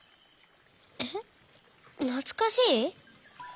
えっなつかしい？